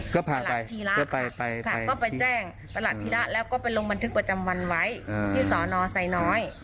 ก็พาไปก็ไปแจ้งประหลักฐีแล้วก็ไปลงบันทึกประจำวันไว้ที่ศนไซน้อย